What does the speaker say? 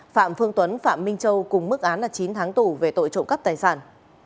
phạm phương tuấn phạm minh châu cùng mức án là chín tháng tù về tội trộm cắp tài sản